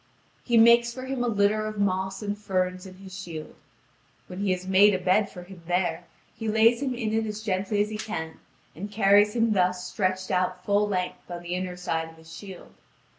He makes for him a litter of moss and ferns in his shield. When he has made a bed for him there, he lays him in it as gently as he can, and carries him thus stretched out full length on the inner side of his shield.